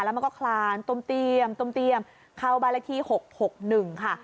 แล้วมันก็คลานต้มเตียมเข้าบริษัท๖๖๑ค่ะ